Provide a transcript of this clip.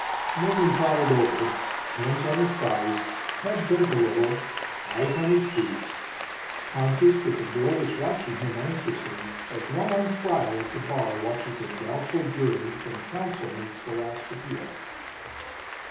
Morgan thought it over, hands on his thighs, head bent a little, eyes on his boots, conscious that the girl was watching him anxiously, as one on trial at the bar watches a doubtful jury when counsel makes the last appeal.